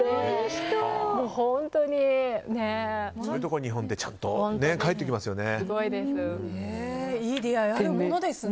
そういうところ、日本ってちゃんと返ってきますよね。